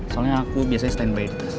soalnya aku biasanya standby di tas